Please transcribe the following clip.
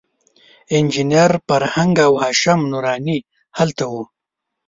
انجینر فرهنګ او هاشم نوراني هلته وو.